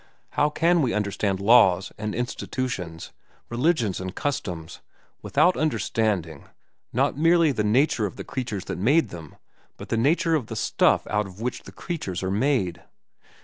How can we understand laws and institutions, religions and customs, without understanding, not merely the nature of the creatures that made them, but the nature of the stuff out of which the creatures are made?